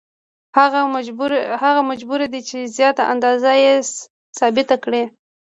هغه مجبور دی چې زیاته اندازه یې ثابته کړي